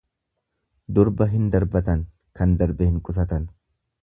Durba hin darbatan kan darbe hin qusatan.